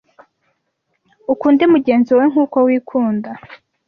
ukunde mugenzi wawe nk’uko wikunda